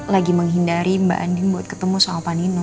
lagi menghindari mbak andin buat ketemu sama pak nino